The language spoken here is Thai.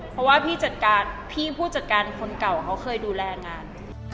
เพราะว่าพี่ผู้จัดการคนเก่าเคยดูแลงาน